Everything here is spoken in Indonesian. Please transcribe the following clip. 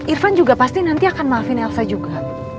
irfan juga pasti nanti akan maafin elsa juga